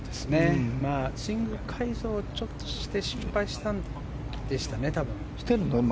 スイング改造してちょっと失敗したんでしたね。